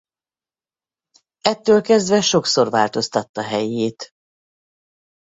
Ettől kezdve sokszor változtatta helyét.